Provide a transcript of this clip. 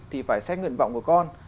thì phải xét nguyện vọng của con